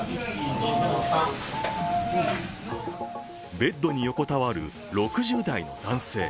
ベッドに横たわる６０代の男性。